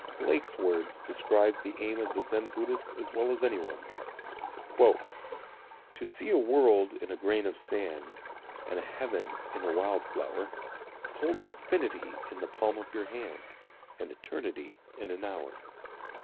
Blake's words describe the aim of the Zen Buddhist as well as any one's: "To see a World in a grain of sand, And a Heaven in a wild flower; Hold infinity in the palm of your hand, And Eternity in an hour."